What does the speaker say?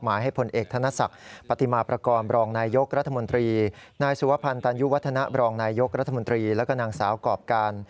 เหมาะให้ผลเอกธนศักดิ์ปฏิมาประกอบลองนายกราธิมนตรีนายสุวพันธ์ตามอยู่วัฒนาลองนายกราธิมนตรีแล้วก็นางสาวกอบกาล